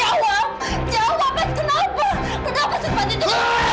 mas ikhsan jawab jawab men kenapa kenapa secepat itu m